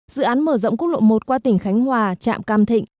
dự án mở rộng quốc lộ một qua tỉnh khánh hòa trạm cam thịnh